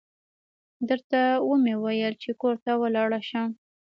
درته و مې ويل چې کور ته ولاړه شه.